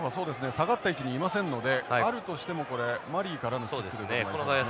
下がった位置にいませんのであるとしてもこれマリーからのキックということになりそうですね。